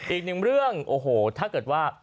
อีกหนึ่งเรื่องโอ้โหถ้าเกิดว่า